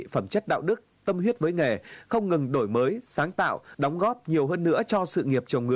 phẩm chất đạo đức tâm huyết với nghề không ngừng đổi mới sáng tạo đóng góp nhiều hơn nữa cho sự nghiệp chồng người